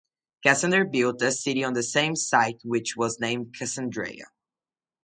Cassander built a city on the same site which was named Cassandreia.